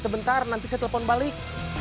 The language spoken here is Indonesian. sebentar nanti saya telepon balik